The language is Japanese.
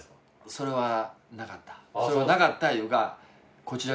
それはなかった。